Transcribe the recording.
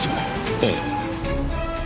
ええ。